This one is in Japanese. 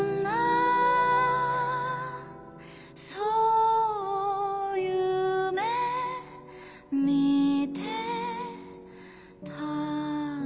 「そう夢みてたの」